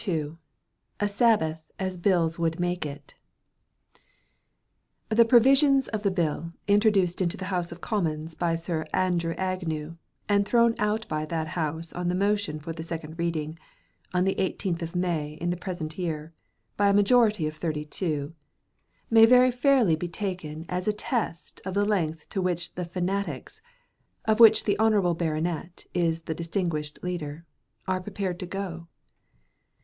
II AS SABBATH BILLS WOULD MAKE IT THE provisions of the bill introduced into the House of Commons by Sir Andrew Agnew, and thrown out by that House on the motion for the second reading, on the 18th of May in the present year, by a majority of 32, may very fairly be taken as a test of the length to which the fanatics, of which the honourable Baronet is the distinguished leader, are prepared to go.